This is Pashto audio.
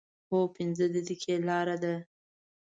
هو، پنځه دقیقې لاره ده